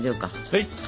はい！